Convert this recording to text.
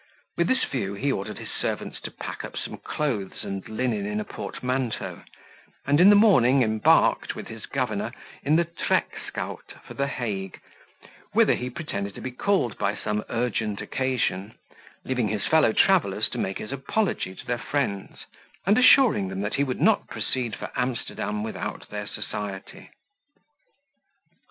With this view, he ordered his servants to pack up some clothes and linen in a portmanteau; and in the morning embarked, with his governor, in the treckskuyt, for the Hague, whither he pretended to be called by some urgent occasion, leaving his fellow travellers to make his apology to their friends, and assuring them, that he would not proceed for Amsterdam without their society.